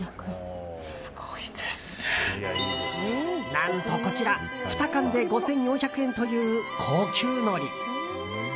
何とこちら２缶で５４００円という高級のり。